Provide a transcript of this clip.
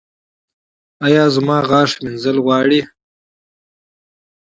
ایا زما غاښ مینځل غواړي؟